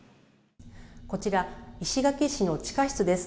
こちら、石垣市の地下室です。